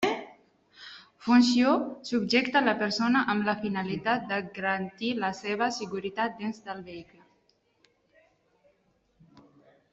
Funció: subjecta la persona amb la finalitat de garantir la seva seguretat dins del vehicle.